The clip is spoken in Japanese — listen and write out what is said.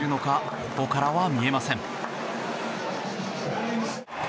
ここからは見えません。